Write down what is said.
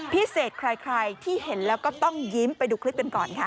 พิเศษใครที่เห็นแล้วก็ต้องยิ้มไปดูคลิปกันก่อนค่ะ